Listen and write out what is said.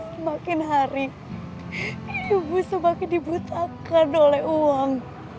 semakin hari ibu semakin dibutakan oleh uang